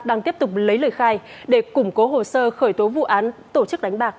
đang tiếp tục lấy lời khai để củng cố hồ sơ khởi tố vụ án tổ chức đánh bạc